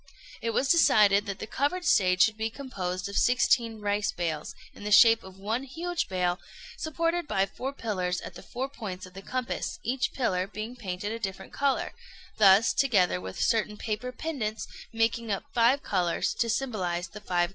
It was decided that the covered stage should be composed of sixteen rice bales, in the shape of one huge bale, supported by four pillars at the four points of the compass, each pillar being painted a different colour, thus, together with certain paper pendants, making up five colours, to symbolize the Five Grains.